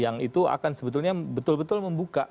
yang itu akan sebetulnya betul betul membuka